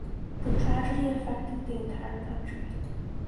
The tragedy affected the entire country.